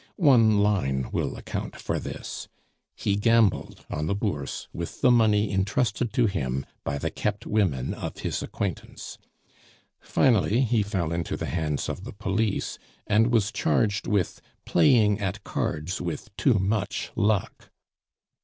One line will account for this: he gambled on the Bourse with the money intrusted to him by the kept women of his acquaintance. Finally he fell into the hands of the police, and was charged with playing at cards with too much luck.